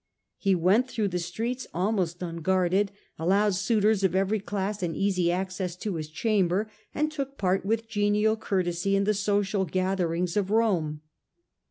He went about the streets almost unguarded, allowed suitors of every class an easy access to his chamber, and took part with genial courtesy in the social gatherings of Rome.